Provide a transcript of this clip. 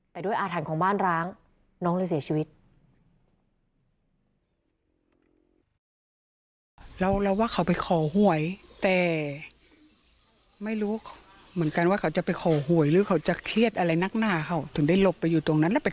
แต่ด้วยอาถรรพ์ของบ้านร้างน้องเลยเสียชีวิต